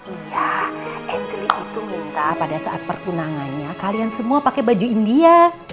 iya angelic itu minta pada saat pertunangannya kalian semua pakai baju india